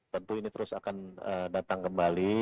tentu ini terus akan datang kembali